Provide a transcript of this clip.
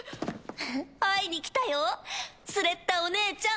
ふふっ会いに来たよスレッタお姉ちゃん。